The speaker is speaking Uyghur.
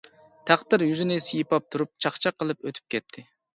تەقدىر يۈزنى سىيپاپ تۇرۇپ چاقچاق قىلىپ ئۆتۈپ كەتتى.